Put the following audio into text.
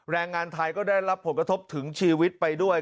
แรงงานไทยก็ได้รับผลกระทบถึงชีวิตไปด้วย